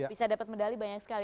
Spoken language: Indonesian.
bisa dapat medali banyak sekali